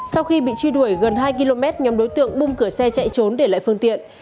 sau khi bị truy đuổi gần hai km nhóm đối tượng bung cửa xe chạy trốn để lại phương tiện